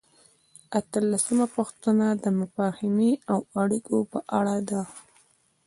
اتلسمه پوښتنه د مفاهمې او اړیکو په اړه ده.